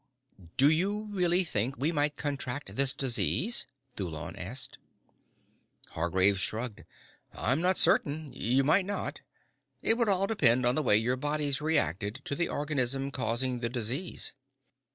"Do you really think we might contract this disease?" Thulon asked. Hargraves shrugged. "I'm not certain. You might not. It would all depend on the way your bodies reacted to the organism causing the disease."